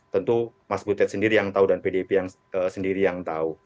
tentu mas butet sendiri yang tahu dan pdip yang sendiri yang tahu